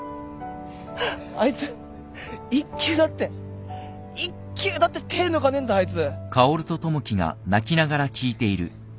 あいつ１球だって１球だって手抜かねえんだあいつ。